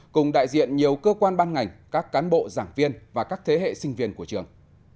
cùng đại diện nhiều cơ quan ban ngành các cán bộ giảng viên và các thế hệ sinh viên của trường